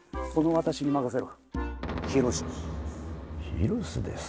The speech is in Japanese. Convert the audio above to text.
ヒロシです。